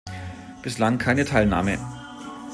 Bislang keine Teilnahme.